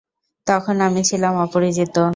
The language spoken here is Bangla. তখন আমি ছিলাম অপরিচিত।